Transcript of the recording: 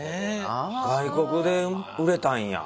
外国で売れたんや。